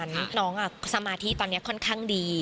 ต้องเห็นที่ที่น้องอะสมาธิตอนนี้ค่อนข้างดี